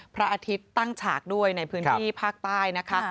พระอาทิตย์ตั้งฉากด้วยในพื้นที่ภาคใต้นะคะ